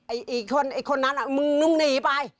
ไอ้คนนั้นมึงหนีไป